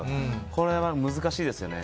これは難しいですよね。